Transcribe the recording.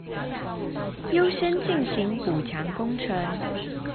優先進行補強工程